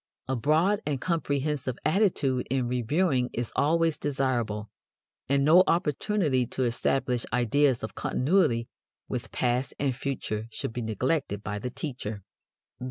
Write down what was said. A broad and comprehensive attitude in reviewing is always desirable, and no opportunity to establish ideas of continuity with past and future should be neglected by the teacher.